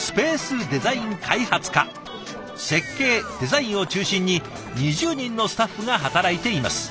設計デザインを中心に２０人のスタッフが働いています。